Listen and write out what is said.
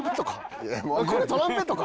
これトランペットか？